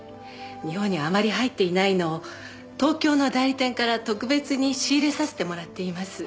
日本にあまり入っていないのを東京の代理店から特別に仕入れさせてもらっています。